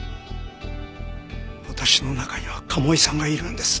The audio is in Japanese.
私の中には賀茂井さんがいるんです。